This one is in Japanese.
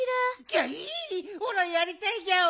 ギャイおらやりたいギャオ。